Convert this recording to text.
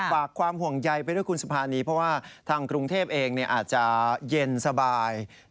ฝากความห่วงใยไปด้วยคุณสุภานีเพราะว่าทางกรุงเทพเองอาจจะเย็นสบาย